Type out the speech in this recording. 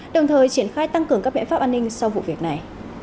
đồng thời triển khai tăng cường các biện pháp an ninh sau vụ việc này